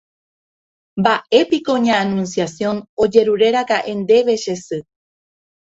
Mba'épiko ña Anunciación ojehúraka'e ndéve che sy.